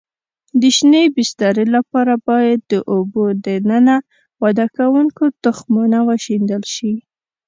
د شینې بسترې لپاره باید د اوبو دننه وده کوونکو تخمونه وشیندل شي.